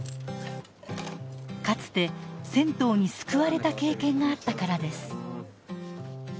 かつて銭湯に救われた経験があったからです。